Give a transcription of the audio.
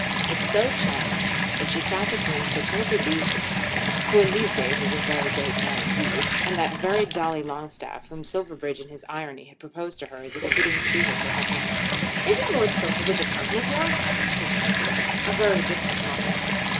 It so chanced that she sat between Sir Timothy Beeswax, who in these days was a very great man indeed, and that very Dolly Longstaff, whom Silverbridge in his irony had proposed to her as a fitting suitor for her hand. "Isn't Lord Silverbridge a cousin of yours?" asked Sir Timothy. "A very distant one."